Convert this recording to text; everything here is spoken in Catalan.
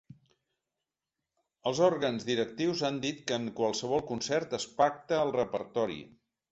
Els òrgans directius han dit que en qualsevol concert es pacta el repertori.